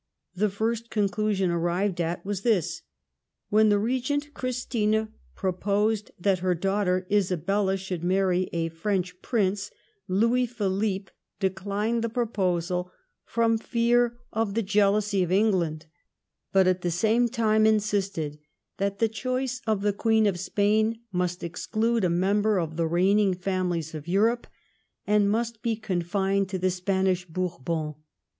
The first conclusion arrived at was this :— When the Regent Christina proposed that her daughter Isabella should marry a French prince, Louis Philippe declined the proposal firom fear of the jealousy THE SPANISH MARRIAGES. 97 of England ; but at the same tiine insisted that the choice of the Qaeen of Spain must exclude a member of the reigning families of Europe, and must be confined to the Spanish Bourbons.